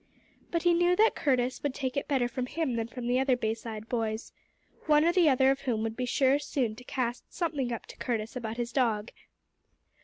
But he knew that Curtis would take it better from him than from the other Bayside boys, one or the other of whom would be sure soon to cast something up to Curtis about his dog.